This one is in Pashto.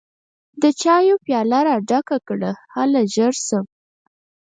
د چايو پياله راډکه کړه هله ژر شه!